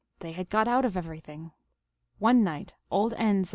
They had got out of everything. One night old N.